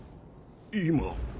今。